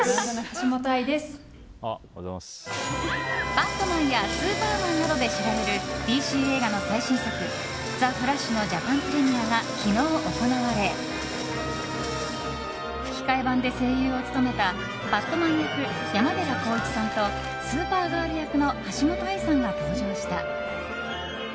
「バットマン」や「スーパーマン」などで知られるＤＣ映画の最新作「ザ・フラッシュ」のジャパンプレミアが昨日行われ吹き替え版で声優を務めたバットマン役、山寺宏一さんとスーパーガール役の橋本愛さんが登場した。